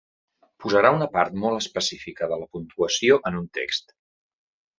Posarà una part molt específica de la puntuació en un text.